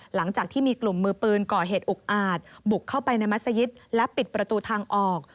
หลังจากที่มีกลุ่มมือปืนก่อเหตุอุกอาจบุกเข้าไปในมัศยิตและปิดประตูทางออก